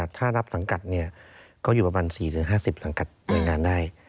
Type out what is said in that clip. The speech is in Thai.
ถ้านับสังกัดอยู่ประมาณ๔๕๐สังกัดในงานได้